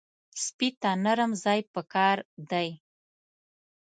سپي ته نرم ځای پکار دی.